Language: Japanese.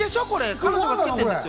彼女がつけてるんですよ。